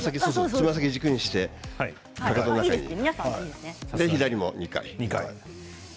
つま先を軸にしてかかとを中に２回、左も２回。